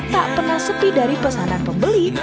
tak pernah sepi dari pesanan pembeli